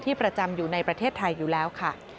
ประจำอยู่ในประเทศไทยอยู่แล้วค่ะ